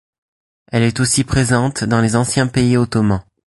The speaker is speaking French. Elle est aussi présente dans les anciens pays ottomans.